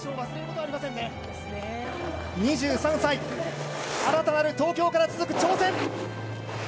２３歳、新たなる東京から続く挑戦。